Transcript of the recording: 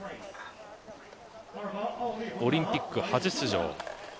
オリンピック初出場。